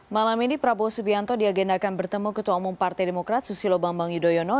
malam ini prabowo subianto diagendakan bertemu ketua umum partai demokrat susilo bambang yudhoyono